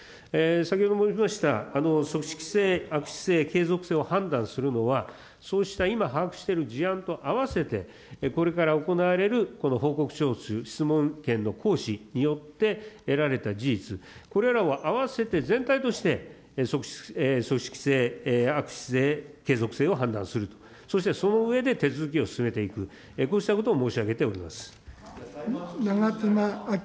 先ほど申しました、組織性、悪質性、継続性を判断するのは、そうした今把握している事案とあわせて、これから行われるこの報告書の質問権の行使によって得られた事実、これらを合わせて全体として、組織性、悪質性、継続性を判断すると、そしてその上で、手続きを進めていく、こうしたことを申し上げております。